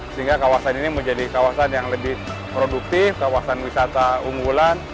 sehingga kawasan ini menjadi kawasan yang lebih produktif kawasan wisata unggulan